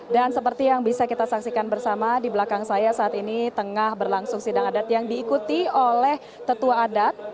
dan seperti yang bisa kita saksikan bersama di belakang saya saat ini tengah berlangsung sidang adat yang diikuti oleh tetua adat